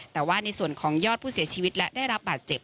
แต่ว่าในส่วนของยอดผู้เสียชีวิตและได้รับบาดเจ็บ